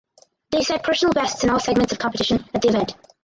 They set personal bests in all segments of competition at the event.